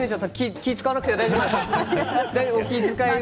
気を遣わなくて大丈夫ですよ。